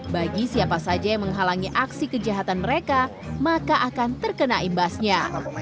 bagi siapa saja yang menghalangi aksi kejahatan mereka maka akan terkena imbasnya